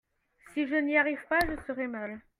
si je n'y arrive pas je serai mal.